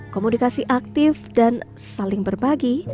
komunikasi aktif dan saling berbagi